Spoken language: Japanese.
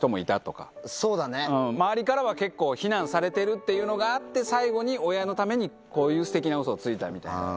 周りからは結構非難されてるっていうのがあって、最後に親のためにこういうすてきなうそをついたみたいな。